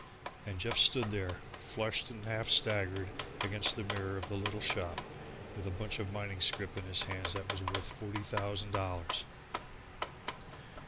And Jeff stood there flushed and half staggered against the mirror of the little shop, with a bunch of mining scrip in his hand that was worth forty thousand dollars!